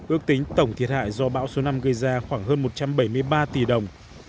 ước tính tổng thiệt hại do bão số năm gây ra khoảng hơn một trăm bảy mươi ba tỷ đồng